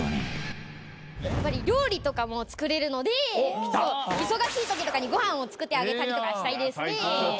やっぱり料理とかも作れるので忙しいときとかにご飯を作ってあげたりとかしたいですね。